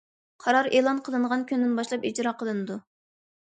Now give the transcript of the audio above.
قارار ئېلان قىلىنغان كۈندىن باشلاپ ئىجرا قىلىنىدۇ.